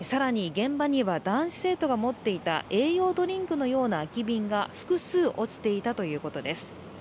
更に現場には男子生徒が持っていた栄養ドリンクのような空き瓶が複数落ちていたということです。